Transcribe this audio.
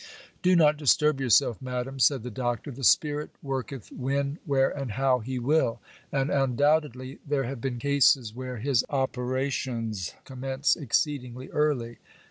'Do not disturb yourself, madam,' said the Doctor. 'The Spirit worketh when, where, and how He will; and, undoubtedly, there have been cases where His operations commence exceedingly early.